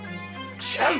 知らん！